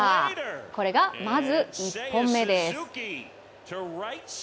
これがまず１本目です。